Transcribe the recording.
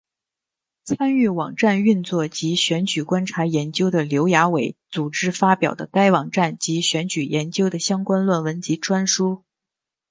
参与网站运作及选举观察研究的刘亚伟组织发表了该网站及选举研究的相关论文及专书。